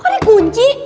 kok ada kunci